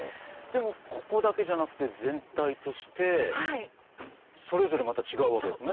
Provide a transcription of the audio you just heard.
ここだけじゃなくて全体としてそれぞれまた違うわけですね。